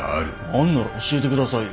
あんなら教えてくださいよ。